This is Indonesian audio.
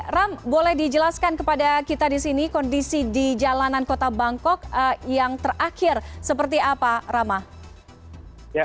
ram boleh dijelaskan kepada kita di sini kondisi di jalanan kota bangkok yang terakhir seperti apa rama